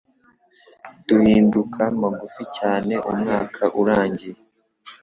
Duhinduka mugufi cyane umwaka urangiye.